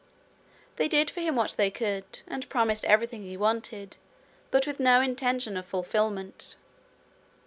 They did for him what they could, and promised everything he wanted, but with no intention of fulfilment.